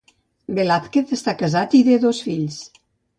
Velázquez està casat i té dos fills.